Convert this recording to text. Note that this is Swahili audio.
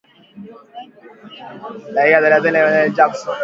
dakika thelathini za kumhoji Jackson